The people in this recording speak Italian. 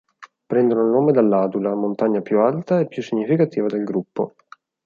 Prendono il nome dall'Adula, montagna più alta e più significativa del gruppo.